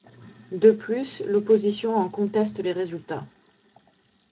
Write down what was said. De plus, l'opposition en conteste les résultats.